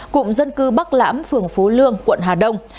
cụm dân cư bắc lãm phường phú lương quận hà đông